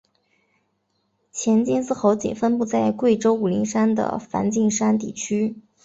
黔金丝猴仅分布在贵州武陵山的梵净山地区。